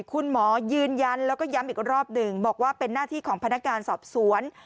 คุณหมอยืนยันแล้วก็ย้ำอีกรอบหนึ่งบอกว่าเป็นหน้าที่ของพนักงานสอบสวน